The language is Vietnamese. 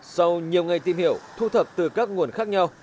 sau nhiều ngày tìm hiểu thu thập từ các nguồn khác nhau